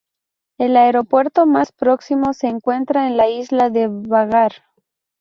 El aeropuerto más próximo se encuentra en la isla de Vágar.